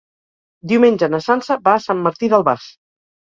Diumenge na Sança va a Sant Martí d'Albars.